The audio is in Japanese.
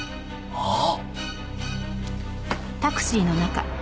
あっ！